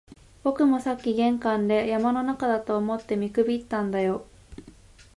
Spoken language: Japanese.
僕もさっき玄関で、山の中だと思って見くびったんだよ